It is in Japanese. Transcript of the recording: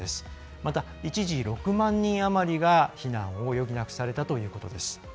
また一時、６万人余りが避難を余儀なくされたということです。